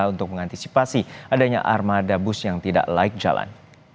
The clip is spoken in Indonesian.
untuk mengantisipasi adanya armada bus yang tidak laik jalan